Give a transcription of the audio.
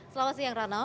selamat siang heranov